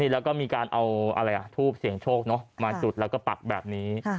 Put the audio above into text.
แล้วก็มีการเอาอะไรทูบเสียงโชคมาจุดแล้วก็ปักแบบนี้